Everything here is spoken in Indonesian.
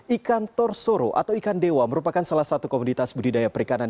ikan torsoro atau ikan dewa merupakan salah satu komunitas budidaya perikanan